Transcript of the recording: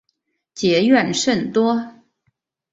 结怨甚多。